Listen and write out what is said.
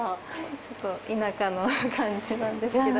ちょっと田舎の感じなんですけど。